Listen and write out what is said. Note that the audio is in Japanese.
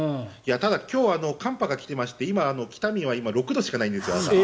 今日、寒波が来ていまして北見は６度しかないんです。